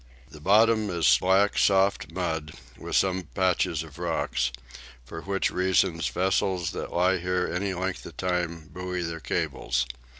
The bottom is black soft mud, with some patches of rocks; for which reason vessels that lie here any length of time buoy their cables.